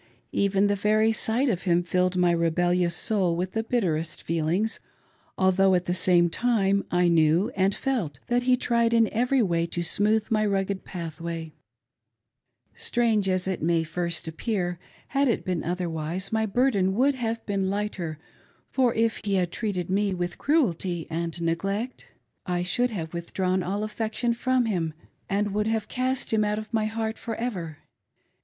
Even the very sight of him filled my rebellious soul with the bitterest feelings, although, atp the same time; I knew and felt that he tried in every way to sn^ooth my rugged pathway. THE SECOND WIFE, 48I Strange as it may at first appear, had it been otherwise my burden would have been lighter, for> if he had treated me with cruelty and neglect, I should have withdrawn all affection from him and would have cast him out of my heart for ever.